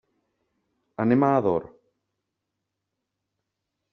Anem a Ador.